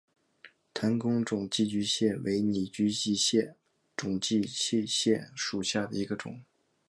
弹弓肿寄居蟹为拟寄居蟹科肿寄居蟹属下的一个种。